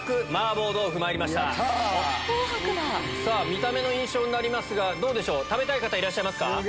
見た目の印象になりますが食べたい方いらっしゃいますか。